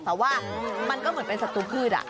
แต่ว่ามันก็เหมือนเป็นศัตรูพืช